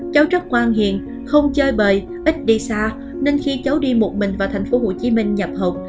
cháu rất quang hiền không chơi bời ít đi xa nên khi cháu đi một mình vào tp hcm nhập học